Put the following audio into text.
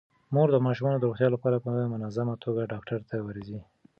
مور د ماشومانو د روغتیا لپاره په منظمه توګه ډاکټر ته ورځي.